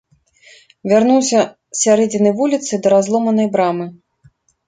Вярнуўся з сярэдзіны вуліцы да разломанай брамы.